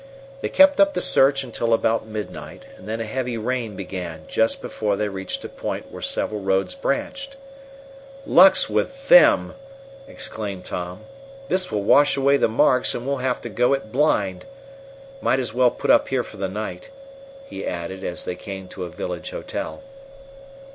They kept up the search until about midnight, and then a heavy rain began just before they reached a point where several roads branched. "Luck's with them!" exclaimed Tom. "This will wash away the marks, and we'll have to go it blind. Might as well put up here for the night," he added, as they came to a village hotel.